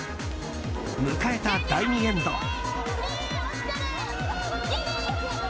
迎えた第２エンド。